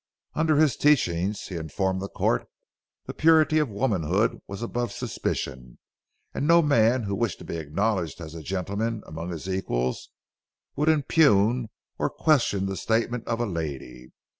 Under his teachings, he informed the court, the purity of womanhood was above suspicion, and no man who wished to be acknowledged as a gentleman among his equals would impugn or question the statement of a lady.